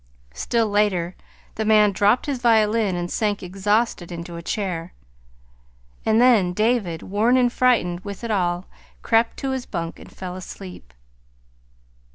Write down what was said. Still later, the man dropped his violin and sank exhausted into a chair; and then David, worn and frightened with it all, crept to his bunk and fell asleep.